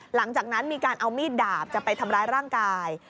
หลังจากนั้นมีการเอามีดดาบจะไปทำร้ายร่างกาย